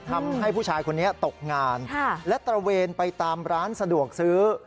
ทำให้ผู้ชายคนนี้ตกงานและตระเวนไปตามร้านสะดวกซื้อ